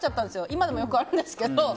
今でもよくあるんですけど。